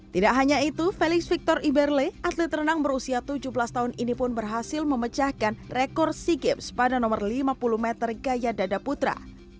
tidak hanya itu felix victor iberle atlet renang berusia tujuh belas tahun ini pun berhasil memecahkan rekor sea games pada nomor lima puluh meter gaya dada putra